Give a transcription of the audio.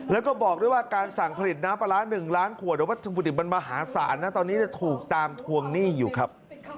แล้วก็บอกด้วยว่าการสั่งผลิตน้ำปลาร้า๑ล้านขวดวัตถุดิบมันมหาศาลนะตอนนี้ถูกตามทวงหนี้อยู่ครับ